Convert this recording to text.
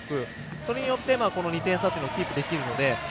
それによって２点差というのをキープできるので。